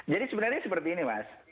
jadi sebenarnya seperti ini mas